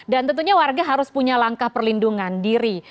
dan tentunya warga harus punya langkah perlindungan diri